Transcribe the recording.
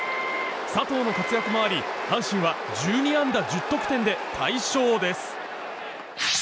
佐藤の活躍もあり阪神は１２安打１０得点で大勝です。